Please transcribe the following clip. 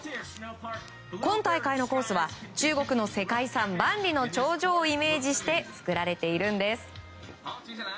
今大会のコースは中国の世界遺産万里の長城をイメージして造られているんです。